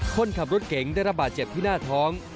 คนขับรถเก๋งได้ระบาดเจ็บที่หน้าท้อง